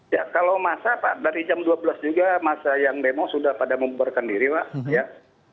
ya kalau masa pak dari jam dua belas juga masa yang demo sudah pada membubarkan diri pak